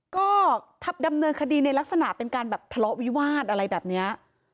ก็ดำเนินคดีในลักษณะเป็นการแบบทะเลาะวิวาสอะไรแบบนี้